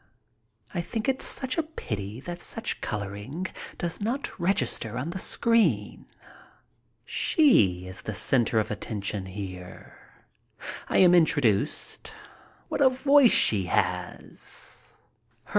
I think it such a pity that such coloring does not register on the screen. She is the center of attraction here. I am introduced. What a voice she has!